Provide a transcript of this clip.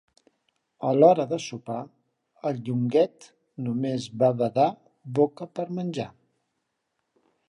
A l'hora de sopar, el Llonguet només va badar boca per menjar.